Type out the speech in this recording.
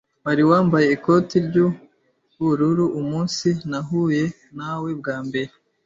Wari wambaye ikote ry'ubururu umunsi nahuye nawe bwa mbere.